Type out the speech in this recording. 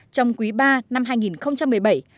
trong quý iii năm hai nghìn một mươi bảy